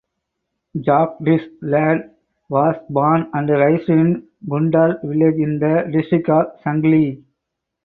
Jagdish Lad was born and raised in Kundal village in the district of Sangli.